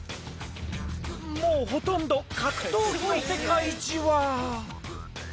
もうほとんど格闘技の世界じわ。